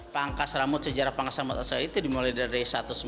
pangkas rambut sejarah pangkas rambut asal itu dimulai dari seribu sembilan ratus tiga puluh